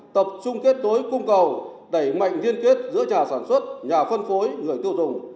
tập trung kết tối cung cầu đẩy mạnh liên kết giữa nhà sản xuất nhà phân phối người tiêu dùng